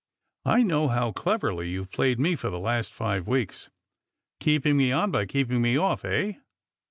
1 know how cleverly you've played me for the last five weeks, keeping me on by keeping me off, eh?